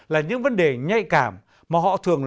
là những vấn đề nhạy cảm mà họ thường